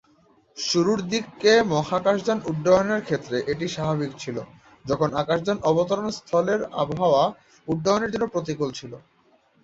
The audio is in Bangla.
শুরুর দিকে মহাকাশযান উড্ডয়নের ক্ষেত্রে এটা স্বাভাবিক ছিল যখন আকাশযান অবতরণ স্থলের আবহাওয়া উড্ডয়নের জন্য প্রতিকূল ছিল।